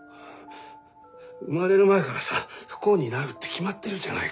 生まれる前からさ不幸になるって決まってるじゃないか。